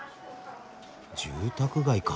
住宅街か。